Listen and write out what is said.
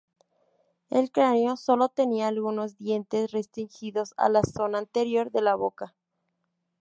El cráneo solo tenía algunos dientes restringidos a la zona anterior de la boca.